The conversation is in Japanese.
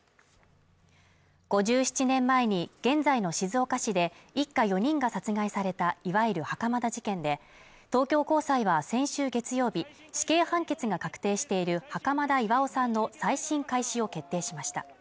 ５７年前に現在の静岡市で一家４人が殺害されたいわゆる袴田事件で、東京高裁は先週月曜日、死刑判決が確定している袴田巌さんの再審開始を決定しました。